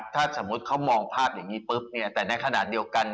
ถ้าสมมุติเขามองภาพอย่างนี้ปุ๊บแต่ในขณะเดียวกัน